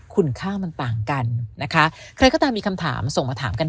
คุณค่ามันต่างกันนะคะใครก็ตามมีคำถามส่งมาถามกันได้